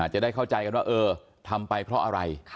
จะได้เข้าใจกันว่าเออทำไปเพราะอะไร